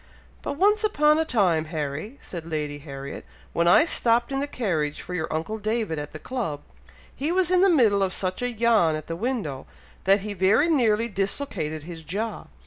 "But once upon a time, Harry," said Lady Harriet, "when I stopped in the carriage for your uncle David at the club, he was in the middle of such a yawn at the window, that he very nearly dislocated his jaw!